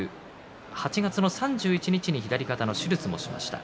８月の３１日に左肩の手術をしました。